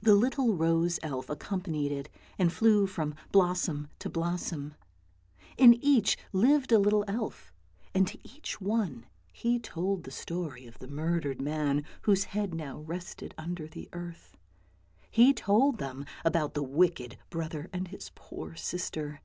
The little rose elf accom panied it and flew from blossom to blossom; in each lived a little elf, and to each one he told the story of the murdered man 36 ANDERSEN'S FAIRY TALES whose head now rested under the earth. He told them about the wicked brother and his poor sister.